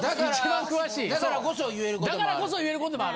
だからこそ言えることもある。